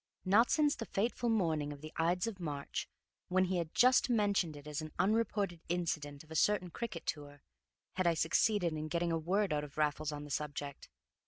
Not since the fateful morning of the Ides of March, when he had just mentioned it as an unreported incident of a certain cricket tour, had I succeeded in getting a word out of Raffles on the subject.